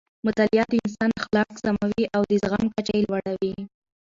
مطالعه د انسان اخلاق سموي او د زغم کچه یې لوړوي.